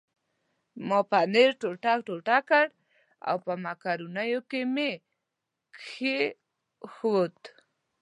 ما پنیر ټوټه ټوټه کړ او په مکرونیو مې کښېښود.